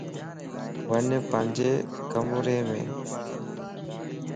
وڃ پانجي ڪم يم